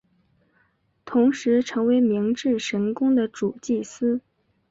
同时成为明治神宫的主祭司。